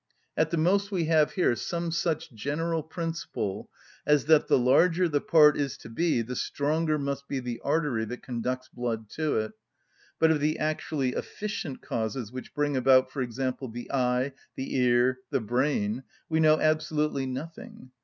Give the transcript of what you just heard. At the most we have here some such general principle as that the larger the part is to be the stronger must be the artery that conducts blood to it; but of the actually efficient causes which bring about, for example, the eye, the ear, the brain, we know absolutely nothing.